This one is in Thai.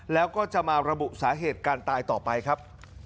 แล้วก็จะมาระบุสาเหตุการตายต่อไปครับ